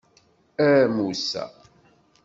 A Musa!